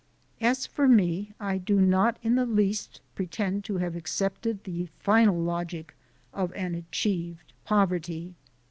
As for me, I do not in the least pretend to have accepted the final logic of an achieved poverty.